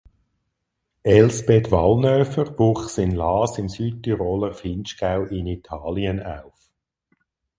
Elsbeth Wallnöfer wuchs in Laas im Südtiroler Vinschgau in Italien auf.